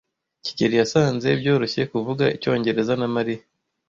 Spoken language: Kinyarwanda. kigeli yasanze byoroshye kuvuga icyongereza na Mariya.